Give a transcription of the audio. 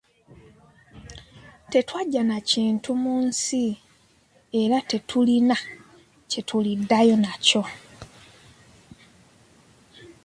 Tetwajja na kintu mu nsi era tetulina kye tuliddayo nakyo.